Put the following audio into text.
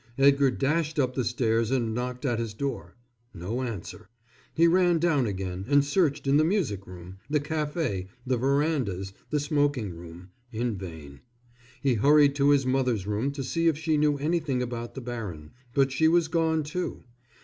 Edgar dashed up the stairs and knocked at his door. No answer. He ran down again and searched in the music room, the café, the verandas, the smoking room. In vain. He hurried to his mother's room to see if she knew anything about the baron. But she was gone, too.